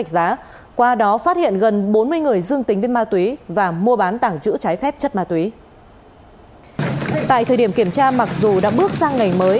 tại thời điểm kiểm tra mặc dù đã bước sang ngày mới